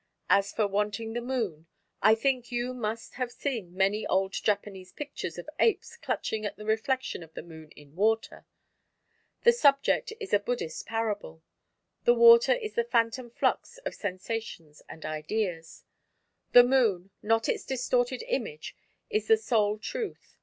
As for wanting the Moon I think that you must have seen many old Japanese pictures of apes clutching at the reflection of the Moon in water. The subject is a Buddhist parable: the water is the phantom flux of sensations and ideas; the Moon not its distorted image is the sole Truth.